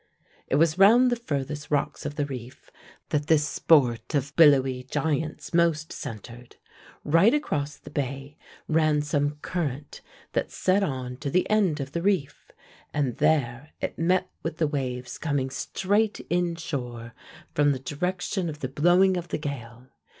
It was round the furthest rocks of the reef that this sport of billowy giants most centered: right across the bay ran some current that set on to the end of the reef, and there it met with the waves coming straight in shore from the direction of the blowing of the gale.